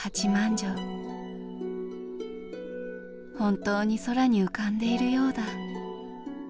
本当に空に浮かんでいるようだ。